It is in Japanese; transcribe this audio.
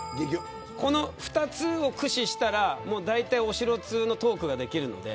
この２つを駆使したらだいたい、お城通のトークができるんで。